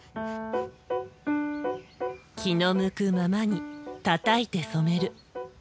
気の向くままにたたいて染める。